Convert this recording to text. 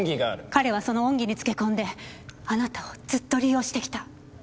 彼はその恩義に付け込んであなたをずっと利用してきた。